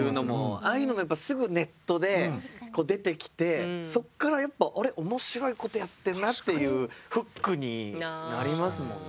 ああいうのもやっぱすぐネットで出てきてそっからやっぱあれ面白いことやってんなっていうフックになりますもんね。